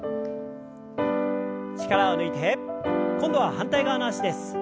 力を抜いて今度は反対側の脚です。